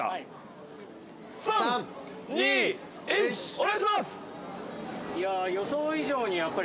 お願いします！